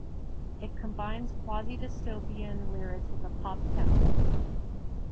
It combines quasi-dystopian lyrics with a pop tempo.